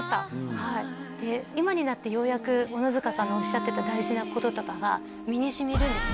はい今になってようやく小野塚さんのおっしゃってた大事なこととかが身に染みるんですよ